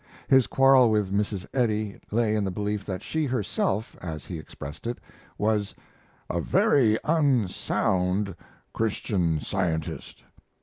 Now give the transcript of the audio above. His quarrel with Mrs. Eddy lay in the belief that she herself, as he expressed it, was "a very unsound Christian Scientist."